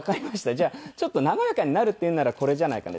じゃあちょっと和やかになるって言うんならこれじゃないかな。